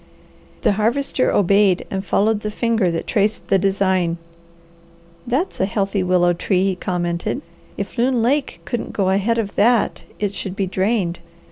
The Harvester obeyed and followed the finger that traced the design. "That's a healthy willow tree!" he commented. "If Loon Lake couldn't go ahead of that it should be drained.